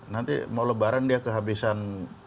nanti mau lebaran dia kehabisan